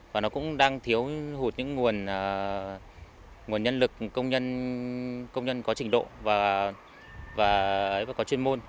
và nó cũng đang thiếu hụt những nguồn nhân lực công nhân có trình độ và có chuyên môn